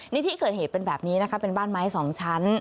ในที่เกิดเหตุเป็นแบบนี้นะคะเป็นบ้านไม้สองชั้น